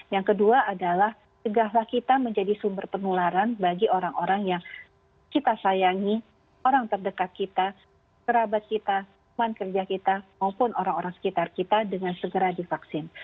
yang kedua adalah segahlah kita menjadi sumber penularan bagi orang orang yang kita sayangi orang terdekat kita kerabat kita teman kerja kita maupun orang orang sekitar kita dengan segera divaksin